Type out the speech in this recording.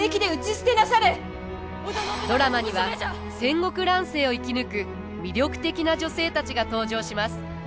ドラマには戦国乱世を生き抜く魅力的な女性たちが登場します。